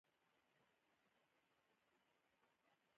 تیمورشاه په نظر کې لري وګوري.